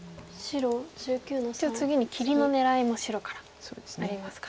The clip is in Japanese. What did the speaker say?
一応次に切りの狙いも白からありますか。